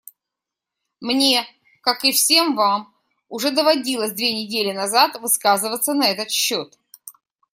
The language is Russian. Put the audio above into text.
Мне, как и все вам, уже доводилось две недели назад высказываться на этот счет.